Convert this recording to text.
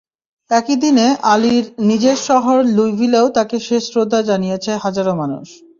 একই দিনে আলীর নিজের শহর লুইভিলেও তাঁকে শেষ শ্রদ্ধা জানিয়েছে হাজারো মানুষ।